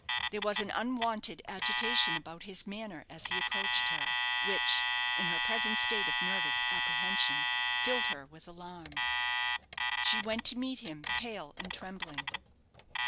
There was an unwonted agitation about his manner as he approached her, which, in her present state of nervous apprehension, filled her with alarm. She went to meet him, pale and trembling.